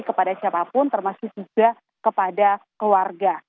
kepada siapapun termasuk juga kepada keluarga